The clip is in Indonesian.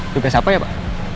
tugas apa ya pak